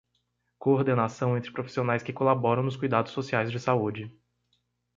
Coordenação entre profissionais que colaboram nos cuidados sociais de saúde.